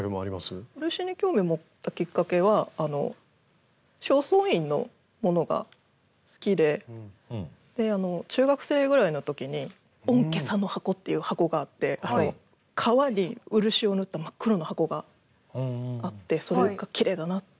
漆に興味を持ったきっかけは正倉院のものが好きで中学生ぐらいの時に御袈裟箱っていう箱があって革に漆を塗った真っ黒の箱があってそれがきれいだなと思って。